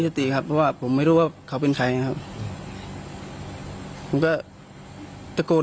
จะตีครับเพราะว่าผมไม่รู้ว่าเขาเป็นใครนะครับผมก็ตะโกน